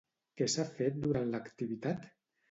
Què s'ha fet durant l'activitat?